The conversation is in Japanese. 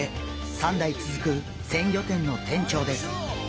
３代続く鮮魚店の店長です。